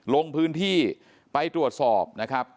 ลงพื้นที่ไปตรวจสอบนะครับ